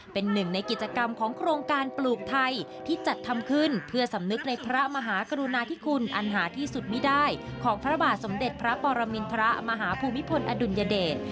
เป็นหนึ่งในกิจกรรมของโครงการปลูกไทยที่จัดทำขึ้นเพื่อสำนึกในพระมหากรุณาธิคุณอันหาที่สุดไม่ได้ของพระบาทสมเด็จพระปรมินทรมาหาภูมิพลอดุลยเดช